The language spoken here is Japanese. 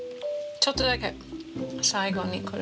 ちょっとだけ最後にくる。